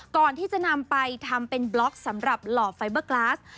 ก่อนที่จะนำไปทำเป็นบล็อกสำหรับหล่อไฟเบอร์กลาส